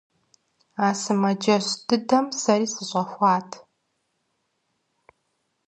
А сымаджэщ дыдэм сэри сыщӀэхуат.